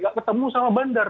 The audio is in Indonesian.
tidak ketemu sama bandar